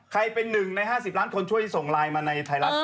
เป็น๑ใน๕๐ล้านคนช่วยส่งไลน์มาในไทยรัฐ